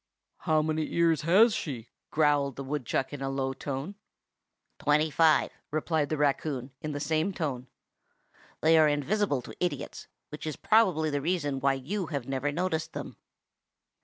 "How many ears has she?" growled the woodchuck, in a low tone. "Twenty five," replied the raccoon, in the same tone. "They are invisible to idiots, which is probably the reason why you have never noticed them."